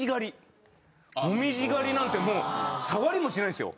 紅葉狩りなんてもう触りもしないですよ。